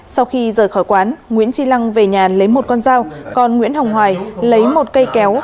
sau khi rời khỏi quán nguyễn tri lăng về nhà lấy một con dao còn nguyễn hồng hoài lấy một cây kéo